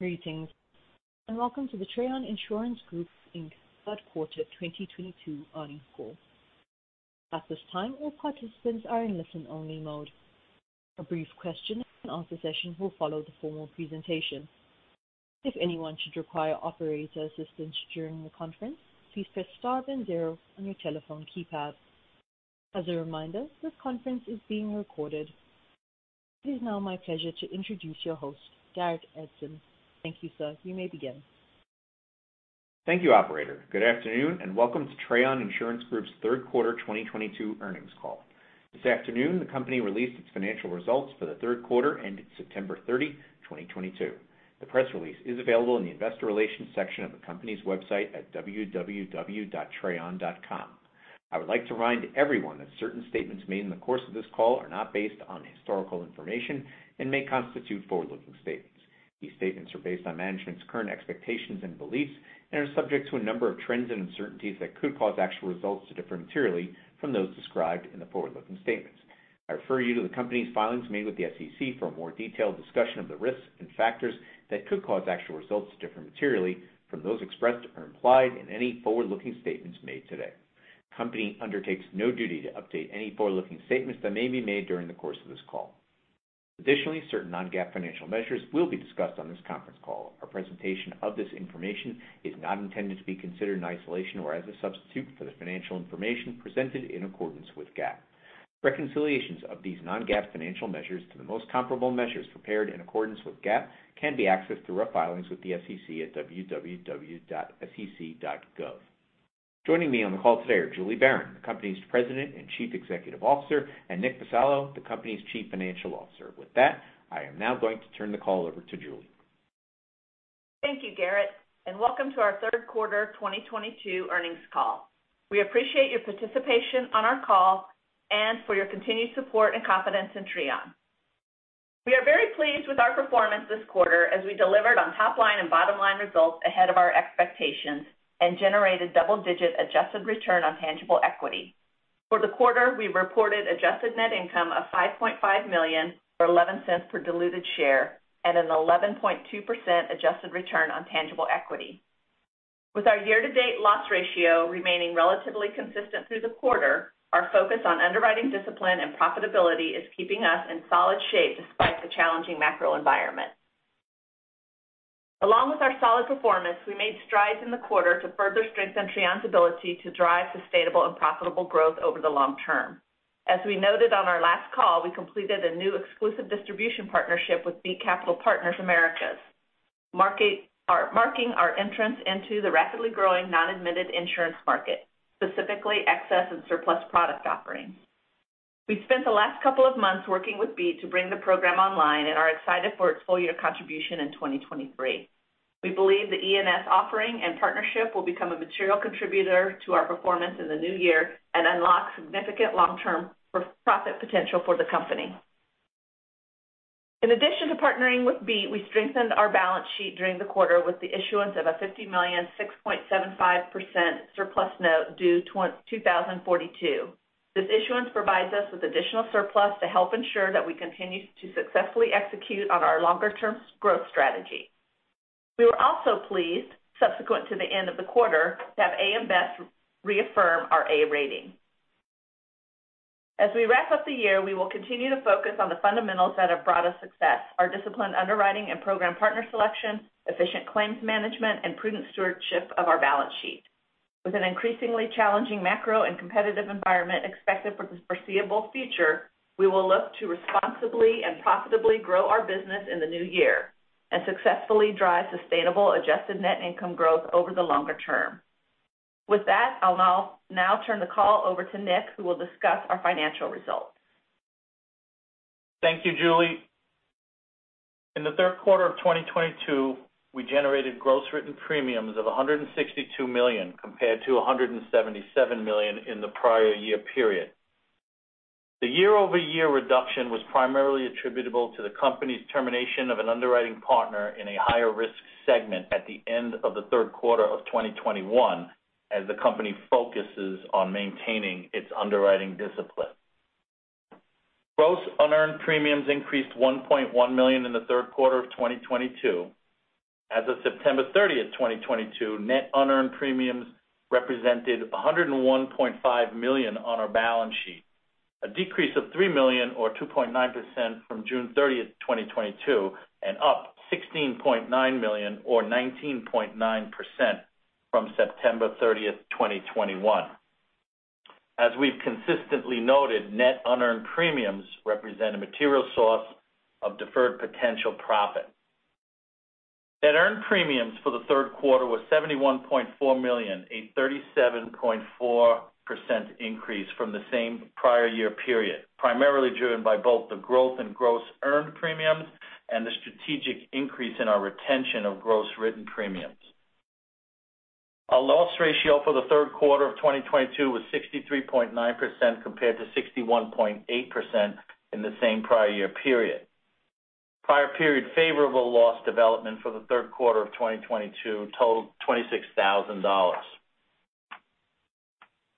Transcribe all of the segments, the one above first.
Greetings, and welcome to the Trean Insurance Group, Inc. Third Quarter 2022 Earnings Call. At this time, all participants are in listen-only mode. A brief question and answer session will follow the formal presentation. If anyone should require operator assistance during the conference, please press star then 0 on your telephone keypad. As a reminder, this conference is being recorded. It is now my pleasure to introduce your host, Garrett Edson. Thank you, sir. You may begin. Thank you, operator. Good afternoon, and welcome to Trean Insurance Group's Third Quarter 2022 Earnings Call. This afternoon, the company released its financial results for the third quarter ending September 30, 2022. The press release is available in the Investor Relations section of the company's website at www.trean.com. I would like to remind everyone that certain statements made in the course of this call are not based on historical information and may constitute forward-looking statements. These statements are based on management's current expectations and beliefs and are subject to a number of trends and uncertainties that could cause actual results to differ materially from those described in the forward-looking statements. I refer you to the company's filings made with the SEC for a more detailed discussion of the risks and factors that could cause actual results to differ materially from those expressed or implied in any forward-looking statements made today. The company undertakes no duty to update any forward-looking statements that may be made during the course of this call. Additionally, certain non-GAAP financial measures will be discussed on this conference call. Our presentation of this information is not intended to be considered in isolation or as a substitute for the financial information presented in accordance with GAAP. Reconciliations of these non-GAAP financial measures to the most comparable measures prepared in accordance with GAAP can be accessed through our filings with the SEC at www.sec.gov. Joining me on the call today are Julie Baron, the Company's President and Chief Executive Officer, and Nicholas Vassallo, the Company's Chief Financial Officer. With that, I am now going to turn the call over to Julie. Thank you, Garrett, and welcome to our third quarter 2022 earnings call. We appreciate your participation on our call and for your continued support and confidence in Trean. We are very pleased with our performance this quarter as we delivered on top line and bottom line results ahead of our expectations and generated double-digit adjusted return on tangible equity. For the quarter, we reported adjusted net income of $5.5 million or $0.11 per diluted share and an 11.2% adjusted return on tangible equity. With our year-to-date loss ratio remaining relatively consistent through the quarter, our focus on underwriting discipline and profitability is keeping us in solid shape despite the challenging macro environment. Along with our solid performance, we made strides in the quarter to further strengthen Trean's ability to drive sustainable and profitable growth over the long term. As we noted on our last call, we completed a new exclusive distribution partnership with Beat Capital Partners Americas, marking our entrance into the rapidly growing non-admitted insurance market, specifically excess and surplus product offerings. We've spent the last couple of months working with Beat to bring the program online and are excited for its full year contribution in 2023. We believe the E&S offering and partnership will become a material contributor to our performance in the new year and unlock significant long-term profit potential for the company. In addition to partnering with Beat, we strengthened our balance sheet during the quarter with the issuance of a $50 million 6.75% surplus note due 2042. This issuance provides us with additional surplus to help ensure that we continue to successfully execute on our longer-term growth strategy. We were also pleased, subsequent to the end of the quarter, to have AM Best reaffirm our A rating. As we wrap up the year, we will continue to focus on the fundamentals that have brought us success, our disciplined underwriting and program partner selection, efficient claims management, and prudent stewardship of our balance sheet. With an increasingly challenging macro and competitive environment expected for the foreseeable future, we will look to responsibly and profitably grow our business in the new year and successfully drive sustainable adjusted net income growth over the longer term. With that, I'll now turn the call over to Nick, who will discuss our financial results. Thank you, Julie. In the third quarter of 2022, we generated gross written premiums of $162 million compared to $177 million in the prior year period. The year-over-year reduction was primarily attributable to the company's termination of an underwriting partner in a higher risk segment at the end of the third quarter of 2021, as the company focuses on maintaining its underwriting discipline. Gross unearned premiums increased $1.1 million in the third quarter of 2022. As of September 30th, 2022, net unearned premiums represented $101.5 million on our balance sheet, a decrease of $3 million or 2.9% from June 30th, 2022, and up $16.9 million or 19.9% from September 30th, 2021. As we've consistently noted, net unearned premiums represent a material source of deferred potential profit. Net earned premiums for the third quarter was $71.4 million, a 37.4% increase from the same prior year period, primarily driven by both the growth in gross earned premiums and the strategic increase in our retention of gross written premiums. Our loss ratio for the third quarter of 2022 was 63.9% compared to 61.8% in the same prior year period. Prior period favorable loss development for the third quarter of 2022 totaled $26,000.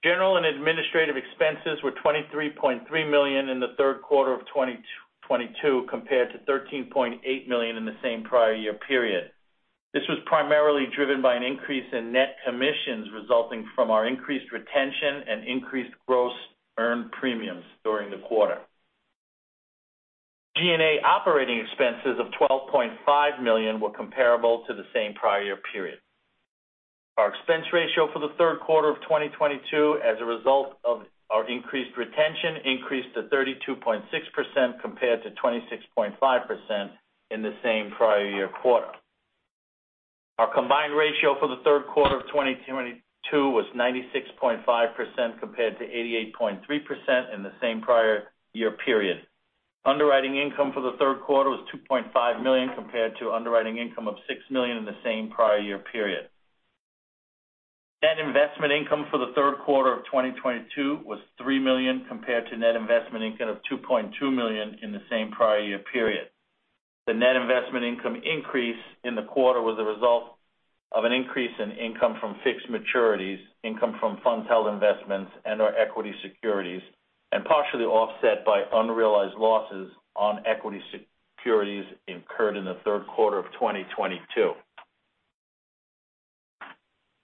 General and administrative expenses were $23.3 million in the third quarter of 2022, compared to $13.8 million in the same prior year period. This was primarily driven by an increase in net commissions resulting from our increased retention and increased gross earned premiums during the quarter. G&A operating expenses of $12.5 million were comparable to the same prior year period. Our expense ratio for the third quarter of 2022, as a result of our increased retention, increased to 32.6% compared to 26.5% in the same prior year quarter. Our combined ratio for the third quarter of 2022 was 96.5% compared to 88.3% in the same prior year period. Underwriting income for the third quarter was $2.5 million compared to underwriting income of $6 million in the same prior year period. Net investment income for the third quarter of 2022 was $3 million compared to net investment income of $2.2 million in the same prior year period. The net investment income increase in the quarter was a result of an increase in income from fixed maturities, income from funds held investments, and our equity securities, and partially offset by unrealized losses on equity securities incurred in the third quarter of 2022.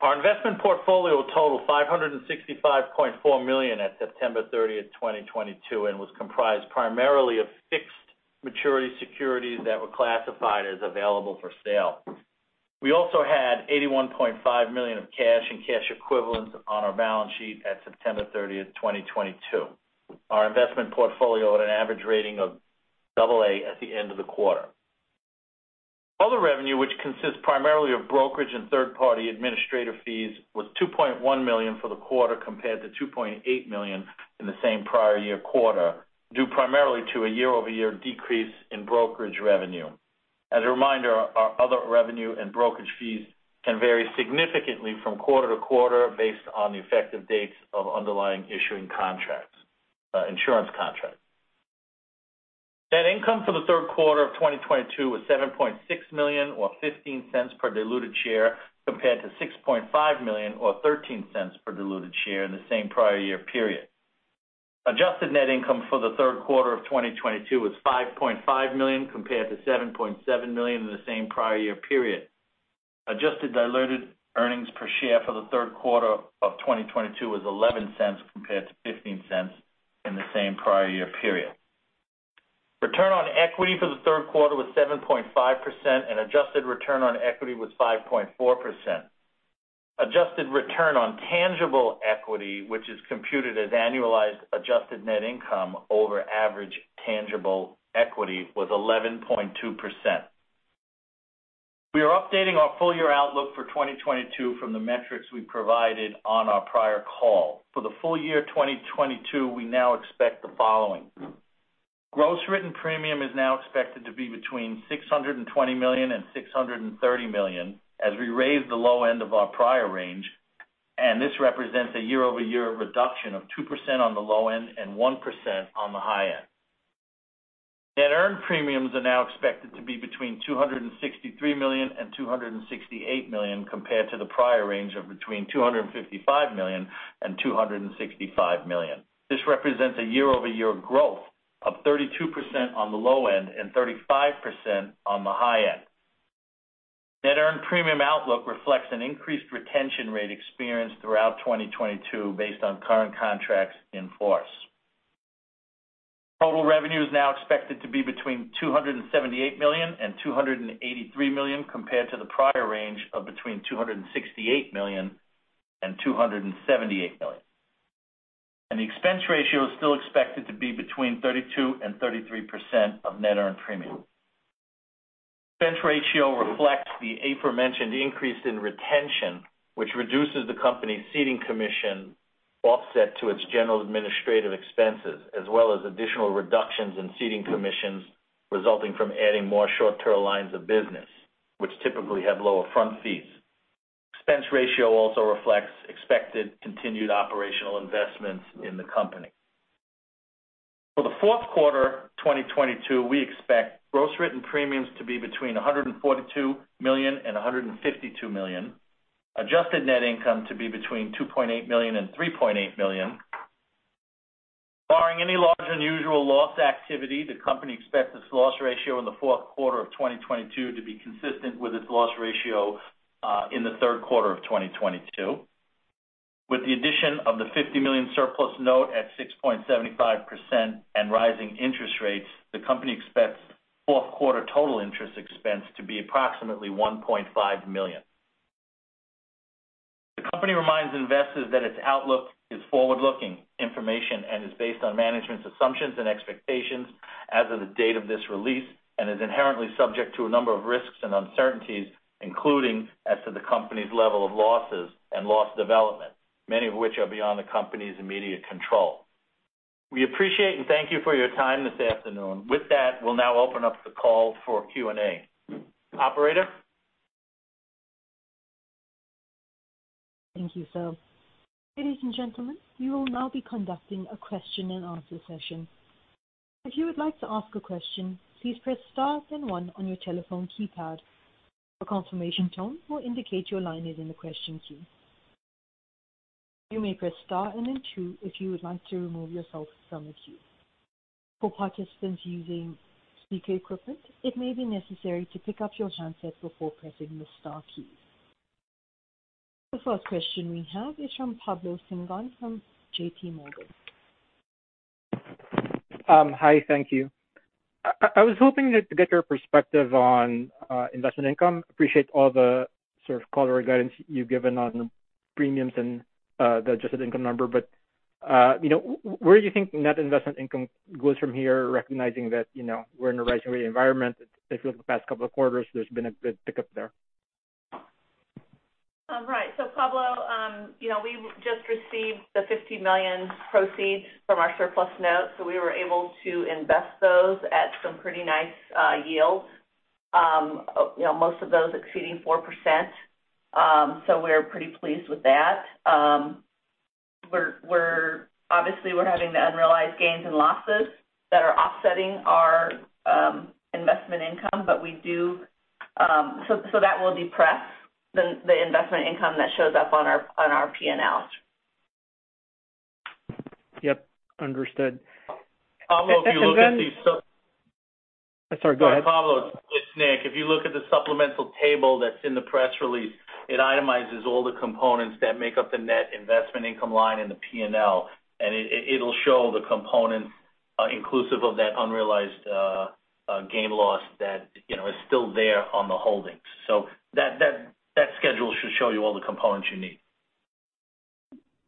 Our investment portfolio totaled $565.4 million at September 30, 2022, and was comprised primarily of fixed maturity securities that were classified as available for sale. We also had $81.5 million of cash and cash equivalents on our balance sheet at September 30, 2022. Our investment portfolio at an average rating of AA at the end of the quarter. Other revenue, which consists primarily of brokerage and third-party administrative fees, was $2.1 million for the quarter compared to $2.8 million in the same prior year quarter, due primarily to a year-over-year decrease in brokerage revenue. As a reminder, our other revenue and brokerage fees can vary significantly from quarter to quarter based on the effective dates of underlying issuing contracts, insurance contracts. Net income for the third quarter of 2022 was $7.6 million or $0.15 per diluted share compared to $6.5 million or $0.13 per diluted share in the same prior year period. Adjusted net income for the third quarter of 2022 was $5.5 million compared to $7.7 million in the same prior year period. Adjusted diluted earnings per share for the third quarter of 2022 was $0.11 compared to $0.15 in the same prior year period. Return on equity for the third quarter was 7.5%, and adjusted return on equity was 5.4%. Adjusted return on tangible equity, which is computed as annualized adjusted net income over average tangible equity, was 11.2%. We are updating our full year outlook for 2022 from the metrics we provided on our prior call. For the full year 2022, we now expect the following. Gross written premium is now expected to be between $620 million and $630 million as we raise the low end of our prior range, and this represents a year-over-year reduction of 2% on the low end and 1% on the high end. Net earned premiums are now expected to be between $263 million and $268 million compared to the prior range of between $255 million and $265 million. This represents a year-over-year growth of 32% on the low end and 35% on the high end. Net earned premium outlook reflects an increased retention rate experienced throughout 2022 based on current contracts in force. Total revenue is now expected to be between $278 million and $283 million compared to the prior range of between $268 million and $278 million. The expense ratio is still expected to be between 32% and 33% of net earned premium. Expense ratio reflects the aforementioned increase in retention, which reduces the company's ceding commission offset to its general and administrative expenses, as well as additional reductions in ceding commissions resulting from adding more short-term lines of business, which typically have lower fronting fees. Expense ratio also reflects expected continued operational investments in the company. For the fourth quarter 2022, we expect gross written premiums to be between $142 million and $152 million, adjusted net income to be between $2.8 million and $3.8 million. Barring any large unusual loss activity, the company expects its loss ratio in the fourth quarter of 2022 to be consistent with its loss ratio in the third quarter of 2022. With the addition of the $50 million surplus note at 6.75% and rising interest rates, the company expects fourth quarter total interest expense to be approximately $1.5 million. The company reminds investors that its outlook is forward-looking information and is based on management's assumptions and expectations as of the date of this release and is inherently subject to a number of risks and uncertainties, including as to the company's level of losses and loss development, many of which are beyond the company's immediate control. We appreciate and thank you for your time this afternoon. With that, we'll now open up the call for Q&A. Operator? Thank you. So, ladies and gentlemen, we will now be conducting a question and answer session. If you would like to ask a question, please press star then 1 on your telephone keypad. A confirmation tone will indicate your line is in the question queue. You may press star and then 2 if you would like to remove yourself from the queue. For participants using speaker equipment, it may be necessary to pick up your handset before pressing the star key. The first question we have is from Pablo Singzon from J.P. Morgan. Hi. Thank you. I was hoping to get your perspective on investment income. Appreciate all the sort of color or guidance you've given on the premiums and the adjusted income number. You know, where do you think net investment income goes from here, recognizing that you know, we're in a rising rate environment. If you look at the past couple of quarters, there's been a good pickup there. Right. Pablo, you know, we just received the $50 million proceeds from our surplus notes, so we were able to invest those at some pretty nice yields. You know, most of those exceeding 4%. We're pretty pleased with that. We're obviously having the unrealized gains and losses that are offsetting our investment income, so that will depress the investment income that shows up on our P&L. Yep, understood. And then- Pablo, if you look at these - I'm sorry, go ahead. Pablo, it's Nick. If you look at the supplemental table that's in the press release, it itemizes all the components that make up the net investment income line in the P&L, and it'll show the components inclusive of that unrealized gain loss that, you know, is still there on the holdings. That schedule should show you all the components you need.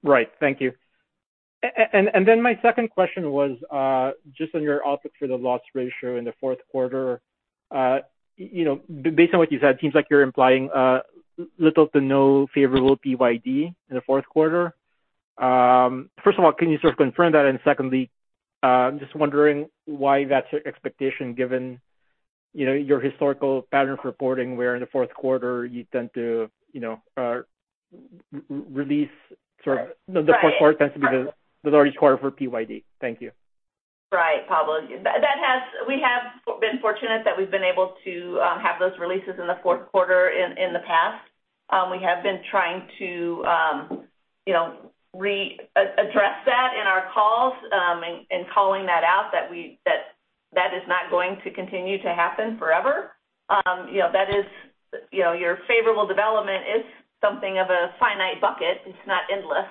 Right. Thank you. My second question was just on your outlook for the loss ratio in the fourth quarter. You know, based on what you said, it seems like you're implying little to no favorable PYD in the fourth quarter. First of all, can you sort of confirm that? Secondly, I'm just wondering why that's your expectation given, you know, your historical patterns reporting, where in the fourth quarter you tend to, you know, release sort of- Right. - the fourth quarter tends to be the majority quarter for PYD. Thank you. Right, Pablo. We have been fortunate that we've been able to have those releases in the fourth quarter in the past. We have been trying to, you know, address that in our calls, and calling that out that that is not going to continue to happen forever. You know, that is, you know, your favorable development is something of a finite bucket. It's not endless.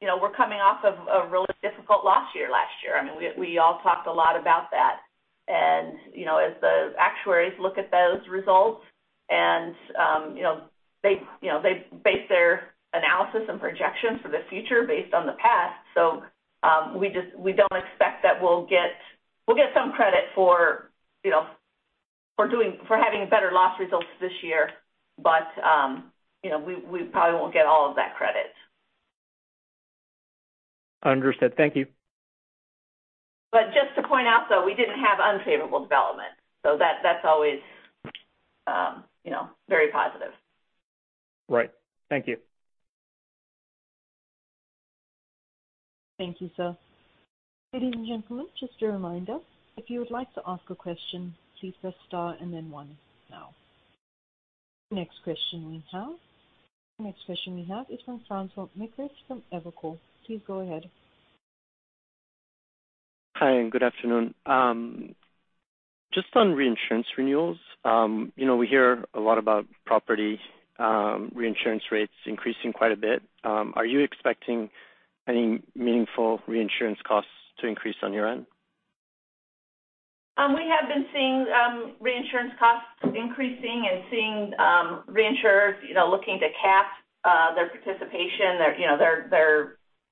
You know, we're coming off of a really difficult loss year last year. I mean, we all talked a lot about that. You know, as the actuaries look at those results and, you know, they base their analysis and projections for the future based on the past. We don't expect that we'll get. We'll get some credit for, you know, for having better loss results this year. You know, we probably won't get all of that credit. Understood. Thank you. Just to point out, though, we didn't have unfavorable development. That, that's always, you know, very positive. Right. Thank you. Thank you, sir. Ladies and gentlemen, just a reminder, if you would like to ask a question, please press star and then one now. The next question we have is from [inaudible] from Evercore. Please go ahead. Hi, good afternoon. Just on reinsurance renewals, you know, we hear a lot about property reinsurance rates increasing quite a bit. Are you expecting any meaningful reinsurance costs to increase on your end? We have been seeing reinsurance costs increasing and seeing reinsurers, you know, looking to cap their participation, you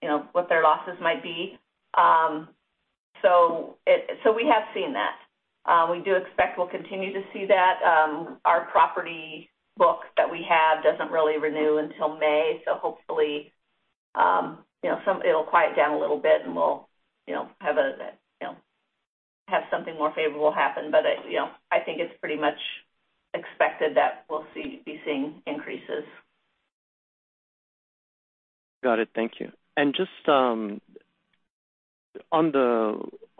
know, what their losses might be. We have seen that. We do expect we'll continue to see that. Our property book that we have doesn't really renew until May, so hopefully, you know, it'll quiet down a little bit and we'll, you know, have something more favorable happen. You know, I think it's pretty much expected that we'll be seeing increases. Got it. Thank you. Just, on the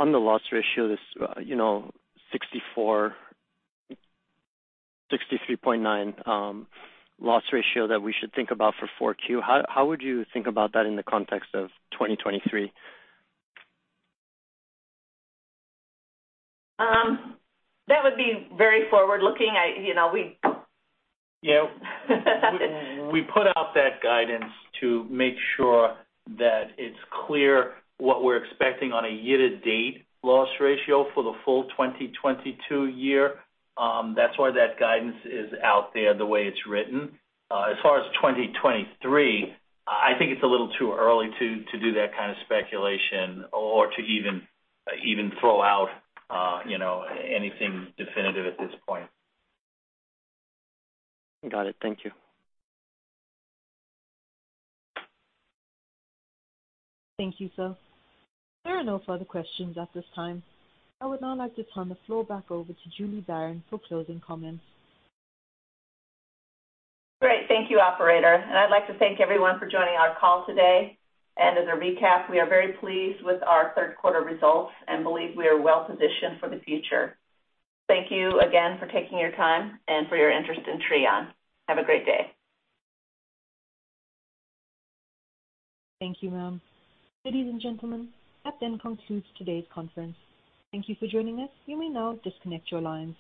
loss ratio, this, you know, 64, 63.9 loss ratio that we should think about for Q4, how would you think about that in the context of 2023? That would be very forward-looking. You know, we - We put out that guidance to make sure that it's clear what we're expecting on a year-to-date loss ratio for the full 2022 year. That's why that guidance is out there the way it's written. As far as 2023, I think it's a little too early to do that kind of speculation or to even throw out, you know, anything definitive at this point. Got it. Thank you. Thank you, sir. There are no further questions at this time. I would now like to turn the floor back over to Julie Baron for closing comments. Great. Thank you, operator, and I'd like to thank everyone for joining our call today. As a recap, we are very pleased with our third quarter results and believe we are well positioned for the future. Thank you again for taking your time and for your interest in Trean. Have a great day. Thank you, ma'am. Ladies and gentlemen, that then concludes today's conference. Thank you for joining us. You may now disconnect your lines.